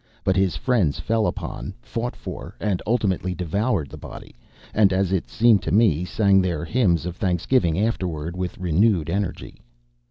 But his friends fell upon, fought for, and ultimately devoured the body; and, as it seemed to me, sang their hymns of thanksgiving afterward with renewed energy.